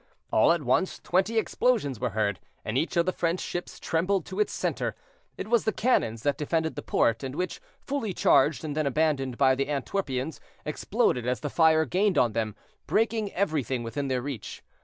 All at once twenty explosions were heard, and each of the French ships trembled to its center. It was the cannons that defended the port, and which, fully charged and then abandoned by the Antwerpians, exploded as the fire gained on them, breaking everything within their reach.